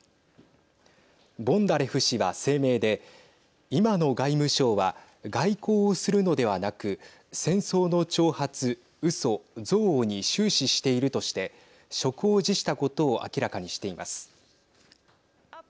ボンダレフ氏は声明で今の外務省は外交をするのではなく戦争の挑発うそ、憎悪に終始しているとして職を辞したことを明らかにしています。